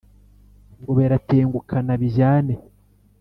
Ngo biratengukana bijyane,